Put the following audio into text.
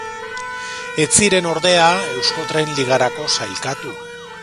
Ez ziren ordea Euskotren Ligarako sailkatu.